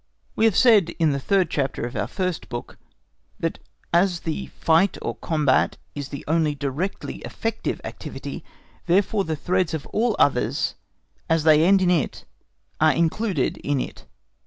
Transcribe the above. We have said, in the third chapter of our first book, that as the fight or combat is the only directly effective activity, therefore the threads of all others, as they end in it, are included in it.